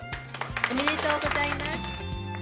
おめでとうございます。